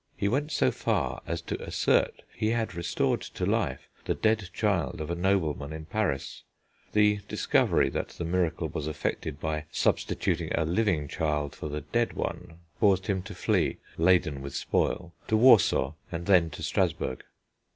He went so far as to assert he had restored to life the dead child of a nobleman in Paris; the discovery that the miracle was effected by substituting a living child for the dead one caused him to flee, laden with spoil, to Warsaw, and then to Strassburg.